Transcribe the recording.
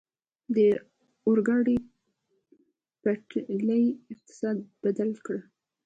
د اورګاډي پټلۍ اقتصاد بدل کړ.